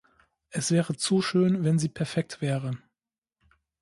Es wäre zu schön, wenn sie perfekt wäre.